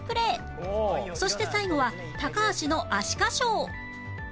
そして最後は高橋のアシカショー